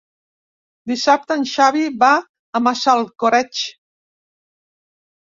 Dissabte en Xavi va a Massalcoreig.